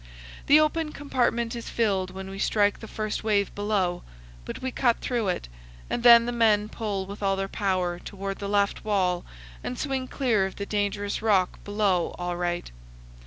The open compartment is filled when we strike the first wave below, but we cut through it, and then the men pull with all their power toward the left wall and swing clear of the dangerous rock below all right.